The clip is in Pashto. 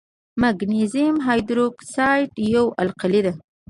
مګنیزیم هایدروکساید یوه القلي ده.